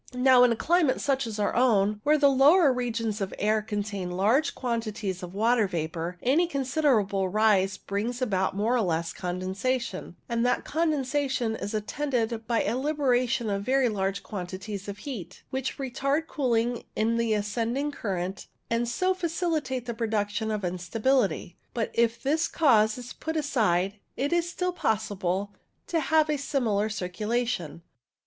Now, in a climate such as our own, where the lower regions of the air contain large quantities of water vapour, any considerable rise brings about more or less condensation, and that condensation is attended by a liberation of very large quantities of heat, which retard cooling in the ascending current, and so facilitate the production of instability. But if this cause is put aside it is still possible to have a similar circulation.